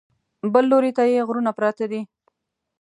بل لوري ته یې غرونه پراته دي.